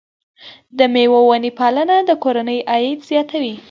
د مېوو ونې پالنه د کورنۍ عاید زیاتوي.